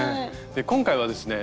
で今回はですね